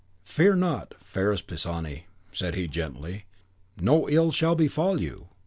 "Fear not, fairest Pisani," said he, gently; "no ill shall befall you."